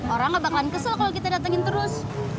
orang gak bakalan kesel kalau kita datengin terus